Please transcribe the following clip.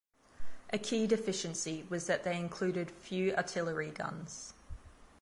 A key deficiency was that they included few artillery guns.